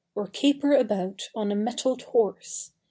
Or caper about on a mettled horse!